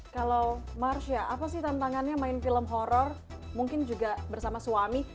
kalau marsha apa sih tantangannya main film horror mungkin juga bersama suami